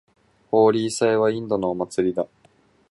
ホーリー祭はインドのお祭りだ。